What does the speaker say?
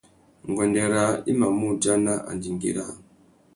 Nguêndê râā i mà mù udjana andingui râā.